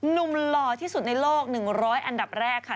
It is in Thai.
หนุ่มหล่อที่สุดในโลก๑๐๐อันดับแรก